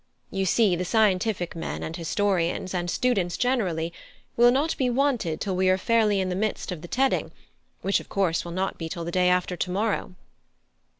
You see, the scientific men and historians, and students generally, will not be wanted till we are fairly in the midst of the tedding, which of course will not be till the day after to morrow."